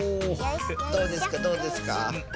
どうですかどうですか？